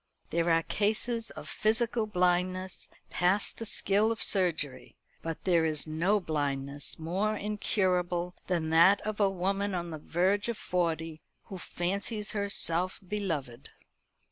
There are cases of physical blindness past the skill of surgery, but there is no blindness more incurable than that of a woman on the verge of forty who fancies herself beloved.